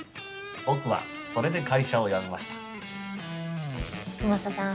僕はそれで会社を辞めましたくまささん